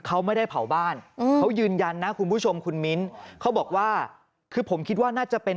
เขาไม่ได้เผาบ้านเขายืนยันนะคุณผู้ชมคุณมิ้นเขาบอกว่าคือผมคิดว่าน่าจะเป็น